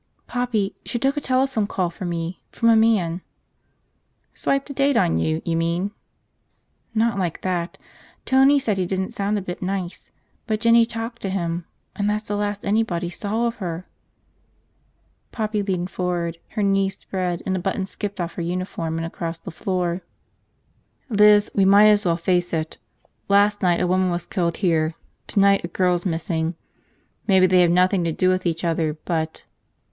"Poppy, she took a telephone call for me. From a man." "Swiped a date on you, you mean?" "Not like that. Tony said he didn't sound a bit nice. But Jinny talked to him, and that's the last anybody saw of her." Poppy leaned forward, her knees spread, and a button skipped off her uniform and across the floor. "Liz, we might as well face it. Last night a woman was killed here, tonight a girl's missing. Maybe they have nothing to do with each other, but.